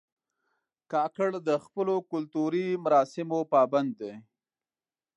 کاکړ د خپلو کلتوري مراسمو پابند دي.